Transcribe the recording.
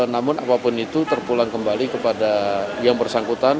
namun apapun itu terpulang kembali kepada yang bersangkutan